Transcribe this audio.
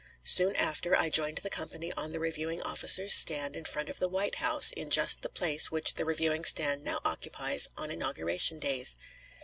Soon after, I joined the company on the reviewing officers' stand, in front of the White House, in just the place which the reviewing stand now occupies on inauguration days.